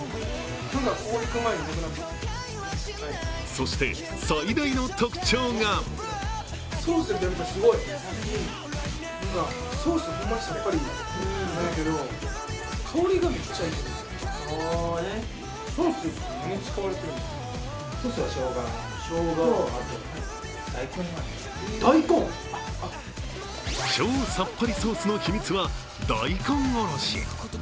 そして、最大の特徴が超さっぱりソースの秘密は大根おろし。